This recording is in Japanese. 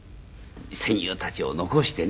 戦友たちを残してね。